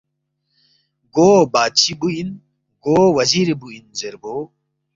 گو بادشی بُو اِن، گو وزیری بُو اِن زیربو